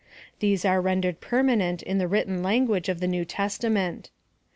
These are ren dered permanent in the written language of the New Testament.